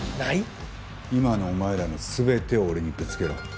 今のお前らの全てを俺にぶつけろ。